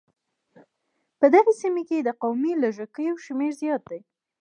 په دغې سيمې کې د قومي لږکيو شمېر زيات دی.